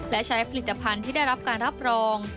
และใช้ผลิตภัณฑ์ที่ได้รับการรับรอง